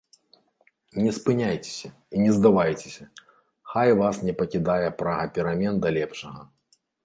Не спыняйцеся і не здавайцеся, хай вас не пакідае прага перамен да лепшага!